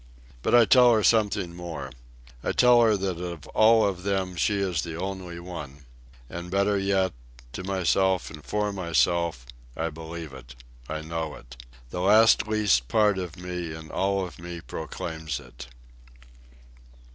But I tell her something more. I tell her that of all of them she is the only one. And, better yet, to myself and for myself, I believe it. I know it. The last least part of me and all of me proclaims it.